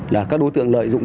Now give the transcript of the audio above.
là các đối tượng lợi dụng